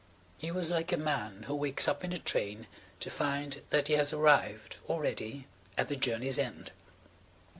He was like a man who wakes up in a train to find that he has arrived, already, at the journey's end.